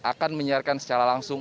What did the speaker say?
akan menyiarkan secara langsung